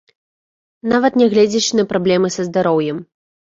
Нават нягледзячы на праблемы са здароўем.